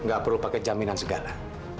nggak perlu pakai jaminan segala